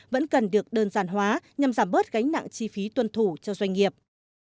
vẫn cần được đơn giản hóa nhằm giảm bớt gánh nặng chi phí tuân thủ cho doanh nghiệp